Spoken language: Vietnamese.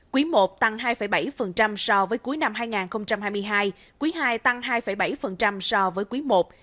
quý i tăng hai bảy so với cuối năm hai nghìn hai mươi hai quý ii tăng hai bảy so với quý i